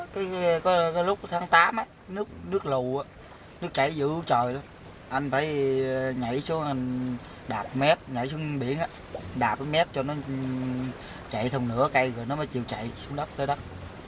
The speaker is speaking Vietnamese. có lúc tháng tám nước lù nước chảy dữ trời anh phải nhảy xuống đạp mép nhảy xuống biển đạp mép cho nó chạy thùng nửa cây rồi nó mới chịu chạy xuống đất tới đất